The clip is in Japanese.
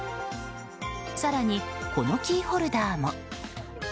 更に、このキーホルダーも。